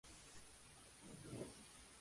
No pudo debutar ni tener minutos en primera.